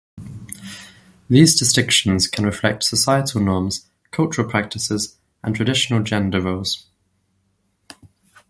These distinctions can reflect societal norms, cultural practices, and traditional gender roles.